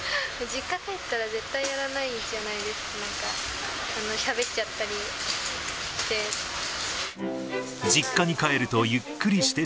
実家帰ったら絶対やらないじゃないですか、なんか、しゃべっちゃったりして。